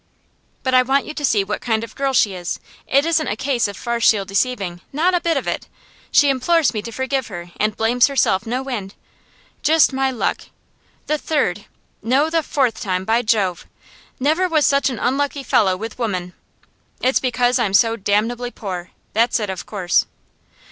'But I want you to see what kind of girl she is. It isn't a case of farcical deceiving not a bit of it! She implores me to forgive her, and blames herself no end. Just my luck! The third no, the fourth time, by Jove! Never was such an unlucky fellow with women. It's because I'm so damnably poor; that's it, of course!